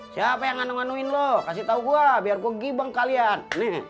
siapa yang ngandung ngandungin lu kasih tau gua biar gua gibeng kalian